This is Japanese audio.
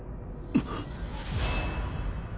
あっ！